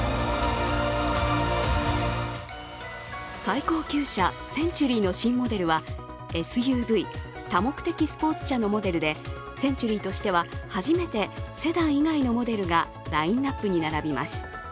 最高級車センチュリーの新モデルはＳＵＶ＝多目的スポーツ車のモデルでセンチュリーとしては初めてセダン以外のモデルがラインナップに並びます。